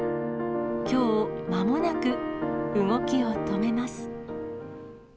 きょう、まもなく動きを止めます。